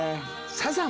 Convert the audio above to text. サザン。